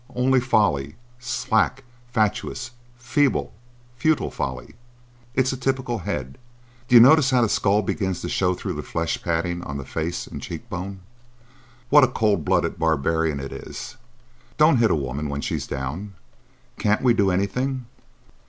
Only folly,—slack, fatuous, feeble, futile folly. It's a typical head. D'you notice how the skull begins to show through the flesh padding on the face and cheek bone?" "What a cold blooded barbarian it is! Don't hit a woman when she's down. Can't we do anything?